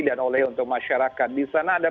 dan oleh untuk masyarakat di sana ada